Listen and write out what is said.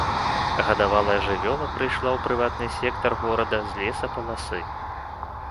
Гадавалая жывёла прыйшла ў прыватны сектар горада з лесапаласы.